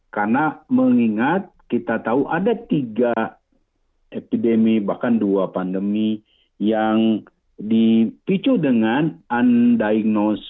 karena mengingat kita tahu ada tiga epidemi bahkan dua pandemi yang dipicu dengan undiagnosed pneumonia